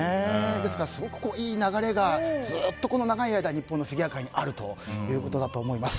ですからすごくいい流れがずっと長い間日本のフィギュア界にあるということだと思います。